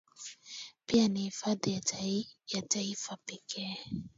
pia ni hifadhi ya Taifa pekee